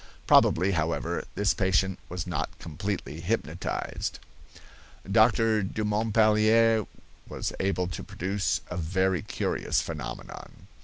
Probably, however, this patient was not completely hypnotized. Dr. Dumontpallier was able to produce a very curious phenomenon.